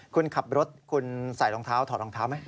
คุณขับรถคุณใส่รองเท้าถอดรองเท้าไหม